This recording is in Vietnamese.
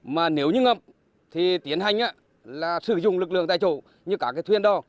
mà nếu như ngập thì tiến hành là sử dụng lực lượng tại chỗ như cả cái thuyên đó